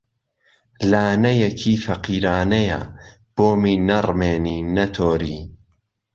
لانهیهکی فهقیرانهیه بۆمی نهڕمێنی، نهتۆری